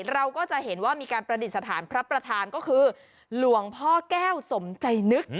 เราก็จะเห็นว่ามีการประดิษฐานพระประธานก็คือหลวงพ่อแก้วสมใจนึก